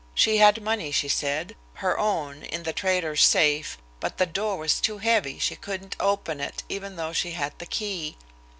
She had money, she said, her own, in the trader's safe, but the door was too heavy, she couldn't open it, even though she had the key.